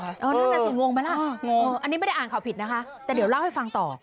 เหงาอันนี้ไม่ได้อ่านข่าวผิดนะคะแต่เดี๋ยวเล่าให้ฟังต่อ